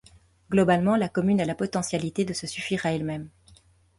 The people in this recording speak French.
Globalement la commune a la potentialité de se suffire à elle-même.